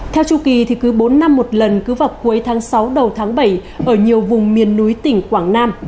theo chu kỳ thì cứ bốn năm một lần cứ vào cuối tháng sáu đầu tháng bảy ở nhiều vùng miền núi tỉnh quảng nam